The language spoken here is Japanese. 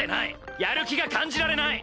やる気が感じられない！